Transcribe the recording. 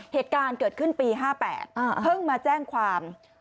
เหตุการณ์เกิดขึ้นปี๕๘เพิ่งมาแจ้งความ